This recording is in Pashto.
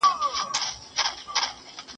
¬ چي په اخره کې مرداره نه کي پښتون نه دئ.